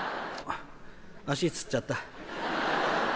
足つっちゃった。